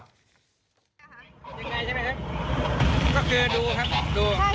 ก็คือดูครับดู